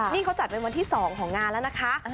นี่เขาจัดเป็นวันที่๒ของงานแล้วนะคะ